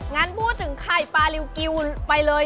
งั้นพูดถึงไข่ปลาริวกิวไปเลย